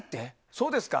そうですか。